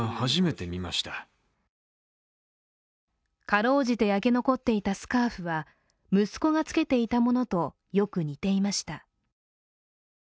かろうじて焼け残っていたスカーフは、息子がつけていたものとよく似ていました。